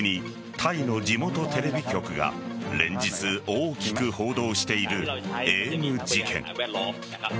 タイの地元テレビ局が連日、大きく報道しているエーム事件。